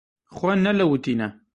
Xwe nelewitîne!